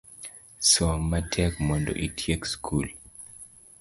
Som matek mondo itiek sikul